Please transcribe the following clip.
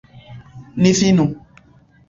Ni finu.